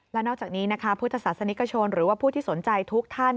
และนอกจากนี้นะคะพุทธศาสนิกชนหรือว่าผู้ที่สนใจทุกท่าน